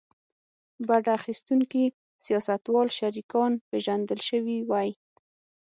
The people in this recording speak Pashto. بډه اخیستونکي سیاستوال شریکان پېژندل شوي وای.